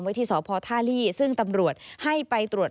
วิทย์สอบพอร์ทธาลีซึ่งตำรวจให้ไปตรวจ